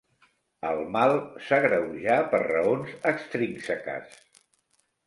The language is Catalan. El mal s'agreujà per raons extrínseques.